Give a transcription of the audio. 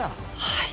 はい。